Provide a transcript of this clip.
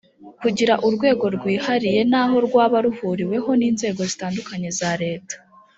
kugira urwego rwihariye naho rwaba ruhuriweho n inzego zitandukanye za leta